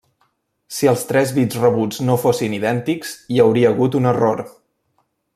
Si els tres bits rebuts no fossin idèntics, hi hauria hagut un error.